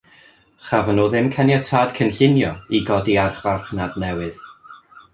Chafon nhw ddim caniatâd cynllunio i godi archfarchnad newydd.